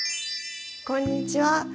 こんにちは。